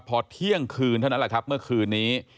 พอเที่ยงคืนเท่านั้นแหละครับเมื่อคืนนี้